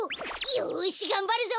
よしがんばるぞ！